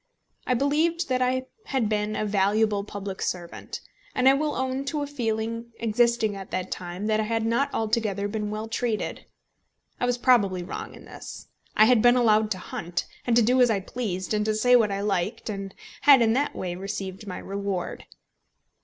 I believed that I had been a valuable public servant, and I will own to a feeling existing at that time that I had not altogether been well treated. I was probably wrong in this. I had been allowed to hunt, and to do as I pleased, and to say what I liked, and had in that way received my reward.